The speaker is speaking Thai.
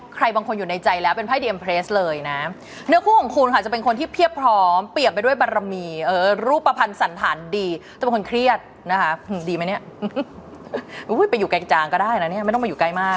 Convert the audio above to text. ไปอยู่ใกล้จางก็ได้นะเนี้ยไม่ต้องมาอยู่ใกล้มากนะฮะ